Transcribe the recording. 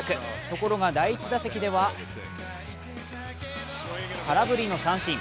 ところが第１打席では空振りの三振。